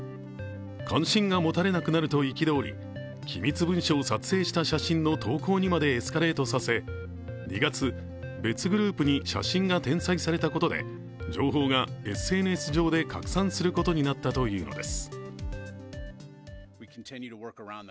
関心が持たれなくなると憤り、機密文書を撮影した写真の投稿にまでエスカレートさせ、２月、別グループに写真が転載されたことで情報がＳＮＳ上で拡散することになったというのです。